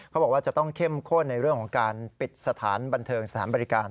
เขาบอกว่าจะต้องเข้มข้นในเรื่องของการปิดสถานบันเทิงสถานบริการ